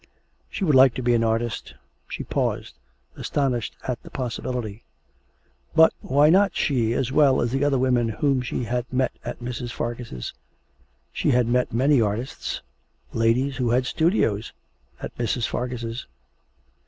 She would like to be an artist! She paused, astonished at the possibility. But why not she as well as the other women whom she had met at Mrs. Fargus'? She had met many artists ladies who had studios at Mrs. Fargus'.